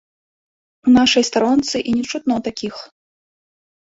У нашай старонцы і не чутно такіх!